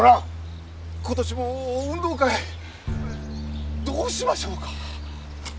今年の運動会どうしましょうか？